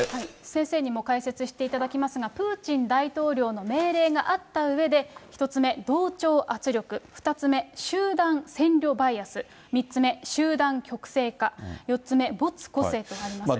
先生にも解説していただきますが、プーチン大統領の命令があったうえで、１つ目、同調圧力、２つ目、集団浅慮バイアス、３つ目、集団極性化、４つ目、没個性とあります。